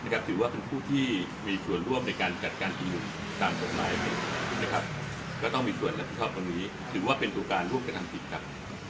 ก็ต้องมีส่วนรับทราบตรงนี้ถือว่าเป็นสู่การร่วมกันทำจิตครับ